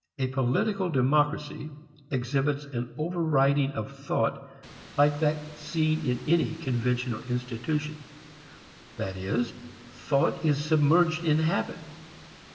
A political democracy exhibits an overriding of thought like that seen in any convention or institution. That is, thought is submerged in habit.